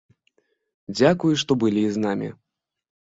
Дзякуй, што былі з намі!